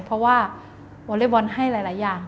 เพราะว่าวอเล็กบอลให้หลายอย่าง